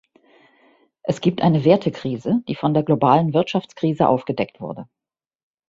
Es gibt eine Wertekrise, die von der globalen Wirtschaftskrise aufgedeckt wurde.